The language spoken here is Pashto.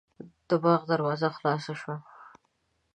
د باغ دروازه خلاصه شوه.